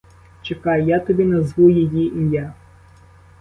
Чекай, я тобі назву її ім'я.